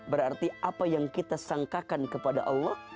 berarti apa yang kita sangkakan kepada allah